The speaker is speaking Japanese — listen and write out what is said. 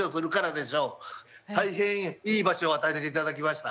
大変いい場所を与えていただきました。